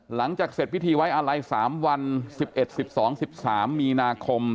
หลังจากเสร็จพิธีไว้อาลัย๓วัน๑๑๑๒๑๓มีนาคม